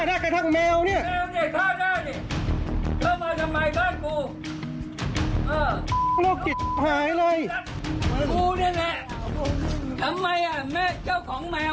สวัสดีครับทุกผู้ชมครับ